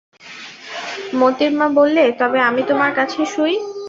মোতির মা বললে, তবে আমি তোমার কাছে শুই।